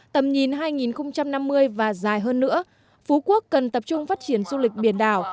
tầm nhìn hai nghìn năm mươi và dài hơn nữa phú quốc cần tập trung phát triển du lịch biển đảo